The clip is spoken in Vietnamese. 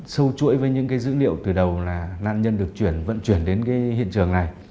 sâu chuỗi với những cái dữ liệu từ đầu là nạn nhân được chuyển vận chuyển đến cái hiện trường này